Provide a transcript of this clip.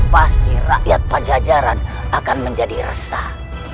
pasti rakyat pajajaran akan menjadi resah